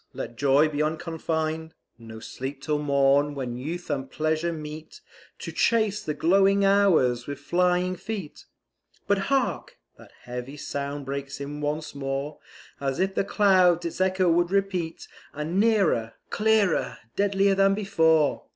let joy be unconfined; No sleep till morn, when Youth and Pleasure meet To chase the glowing Hours with flying feet But, hark! that heavy sound breaks in once more, As if the clouds its echo would repeat; And nearer, clearer, deadlier than before!